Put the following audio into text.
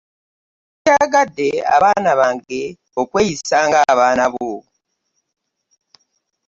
Nandyagadde abaana bange okweyisa nga abaaana bo.